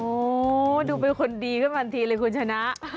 โอ้โหดูเป็นคนดีขึ้นทันทีเลยคุณชนะ